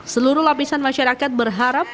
seluruh lapisan masyarakat berharap